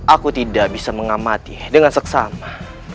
aku tidak bisa mengamati dengan seksama